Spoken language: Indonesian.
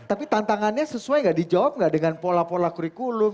tapi tantangannya sesuai nggak dijawab nggak dengan pola pola kurikulum